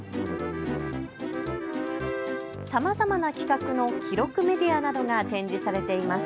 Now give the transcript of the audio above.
さまざまな規格の記録メディアなどが展示されています。